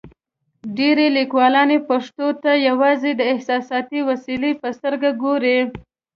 ډېری لیکوالان پښتو ته یوازې د احساساتي وسیلې په سترګه ګوري.